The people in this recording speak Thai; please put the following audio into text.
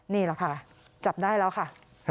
นี่แหละค่ะจับได้แล้วค่ะ